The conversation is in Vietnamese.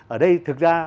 ở đây thực ra